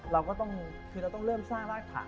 เราก็ต้องเริ่มสร้างรากฐาน